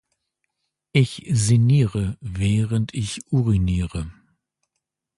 Ich sinniere, während ich uriniere.